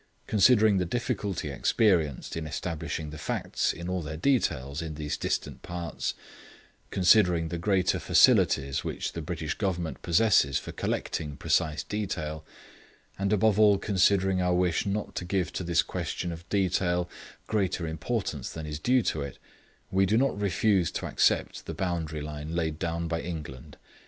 Considering the difficulty experienced in establishing the facts in all their details in those distant parts; considering the greater facilities which the British Government possesses for collecting precise detail, and above all considering our wish not to give to this question of detail greater importance than is due to it, we do not refuse to accept the boundary line laid down by England.